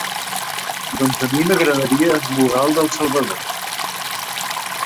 Doncs a mi m'agradaria esborrar el del Salvador.